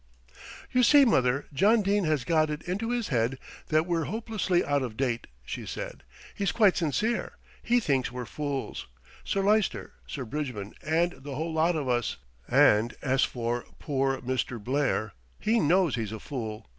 "You see, mother, John Dene has got it into his head that we're hopelessly out of date," she said. "He's quite sincere. He thinks we're fools, Sir Lyster, Sir Bridgman and the whole lot of us, and as for poor Mr. Blair, he knows he's a fool.